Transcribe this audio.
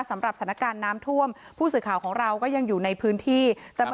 สำหรับสถานการณ์น้ำท่วมผู้สื่อข่าวของเราก็ยังอยู่ในพื้นที่แต่เมื่อ